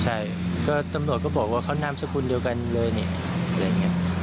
ใช่ก็ตำรวจก็บอกว่าเขานามสกุลเดียวกันเลยนี่อะไรอย่างนี้